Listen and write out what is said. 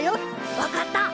わかった！